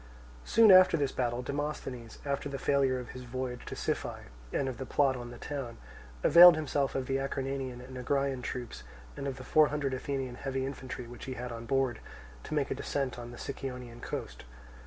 Soon after this battle Demosthenes, after the failure of his voyage to Siphae and of the plot on the town, availed himself of the Acarnanian and Agraean troops and of the four hundred Athenian heavy infantry which he had on board, to make a descent on the Sicyonian coast.